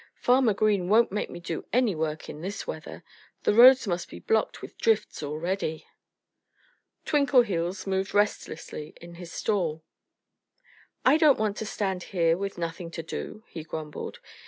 "Farmer Green won't make me do any work in this weather. The roads must be blocked with drifts already." Twinkleheels moved restlessly in his stall. "I don't want to stand here with nothing to do," he grumbled.